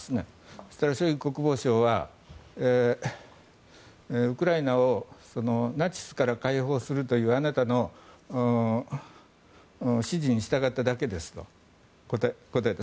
そうしたらショイグ国防相はウクライナをナチスから解放するというあなたの指示に従っただけですと答えた。